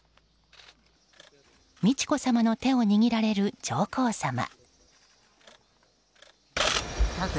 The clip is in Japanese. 美智子さまの手を握られる上皇さま。